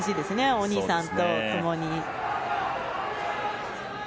お兄さんとともに。